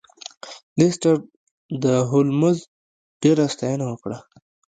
لیسټرډ د هولمز ډیره ستاینه وکړه.